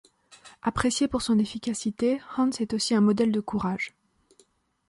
Apprécié pour son efficacité, Hans est aussi un modèle de courage.